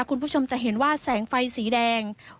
คุณผู้ชมจะเห็นว่าแสงไฟสีแดง